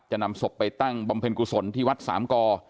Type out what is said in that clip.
นำศพไปตั้งบำเพ็ญกุศลที่วัดสามกอ